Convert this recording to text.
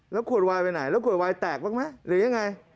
แล้วขวดวายไปไหนแล้วขวดวายแตกบ้างไหมหรือยังไง